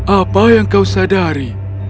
apa yang kau sadari